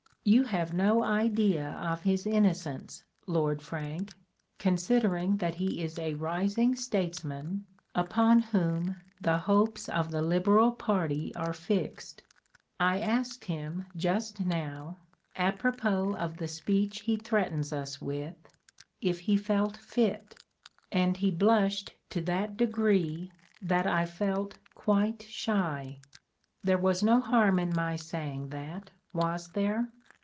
You have no idea of his innocence, Lord Frank, considering that he is a rising statesman upon whom the hopes of the Liberal party are fixed. I asked him just now, apropos of the speech he threatens us with, 'if he felt fit,' and he blushed to that degree that I felt quite shy. There was no harm in my saying that, was there?"